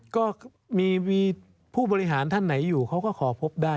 ก็มีผู้บริหารท่านไหนอยู่เขาก็ขอพบได้